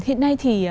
hiện nay thì